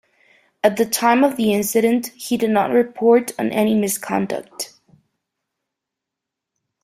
At the time of the incident, he did not report on any misconduct.